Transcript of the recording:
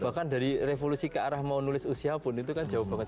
bahkan dari revolusi ke arah mau nulis usia pun itu kan jauh banget